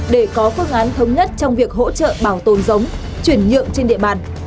để có phương án thống nhất trong việc hỗ trợ bảo tồn giống chuyển nhượng trên địa bàn